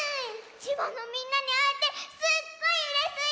千葉のみんなにあえてすっごいうれスイ！